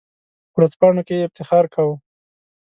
په ورځپاڼو کې یې افتخار کاوه.